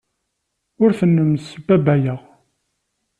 Ur ten-ssembabbayeɣ.